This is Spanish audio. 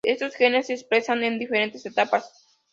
Estos genes se expresan en diferentes etapas.